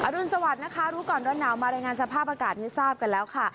รุนสวัสดิ์นะคะรู้ก่อนร้อนหนาวมารายงานสภาพอากาศให้ทราบกันแล้วค่ะ